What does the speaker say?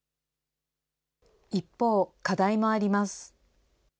一方、課題もあります。